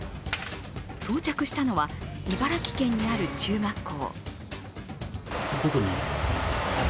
到着したのは茨城県にある中学校。